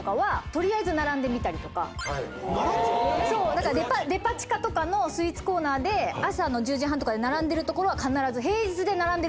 だからデパ地下とかのスイーツコーナーで朝の１０時半とかで並んでる所は必ず。